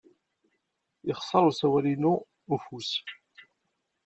Yexṣer usawal-inu n ufus.